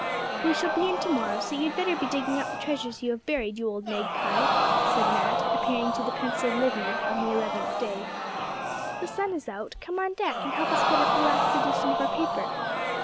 'We shall be in to morrow, so you'd better be digging up the treasures you have buried, you old magpie,' said Mat, appearing to the pensive Livy on the eleventh day. 'The sun is out; come on deck, and help us get up the last edition of our paper.